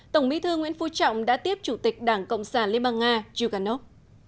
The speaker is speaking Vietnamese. tổng bí thư nguyễn phu trọng đã tiếp chủ tịch đảng cộng sản liên bang nga zhuganov